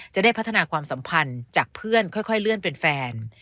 จะได้พัฒนาความสัมพันธ์จากเพื่อนค่อยเลื่อนเป็นแฟน